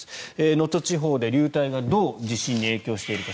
能登地方で流体がどう地震に影響しているか。